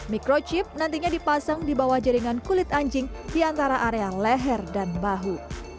microchip nantinya dipasang di bawah jaringan kulit anjing di antara area leher dan bahu